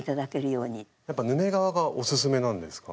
やっぱヌメ革がおすすめなんですか？